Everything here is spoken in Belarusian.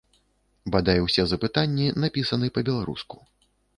Бадай усе запытанні напісаны па-беларуску.